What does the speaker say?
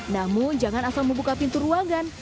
namun jangan asal membuka pintu ruangan